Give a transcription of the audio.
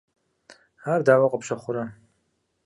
Ар дауэ къыпщыхъурэ?